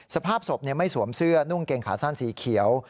สภาพศพไม่สวมเสื้อนุ่งเกงขาสั้นสีเขียว